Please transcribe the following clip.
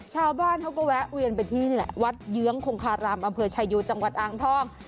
ชาวบ้านเขาก็แวะเวียนไปที่นี่แหละวัดเยื้องคงคารามอำเภอชายโยจังหวัดอ่างทอง